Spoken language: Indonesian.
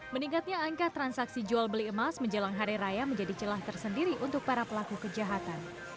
meningkatnya angka transaksi jual beli emas menjelang hari raya menjadi celah tersendiri untuk para pelaku kejahatan